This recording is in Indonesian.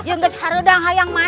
atau mau ke mana